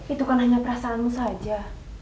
itu kan hanya perasaanmu saja